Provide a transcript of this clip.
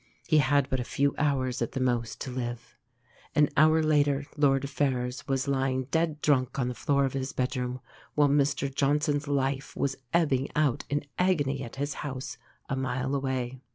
He had but a few hours at the most to live. An hour later Lord Ferrers was lying dead drunk on the floor of his bedroom, while Mr Johnson's life was ebbing out in agony at his house, a mile away.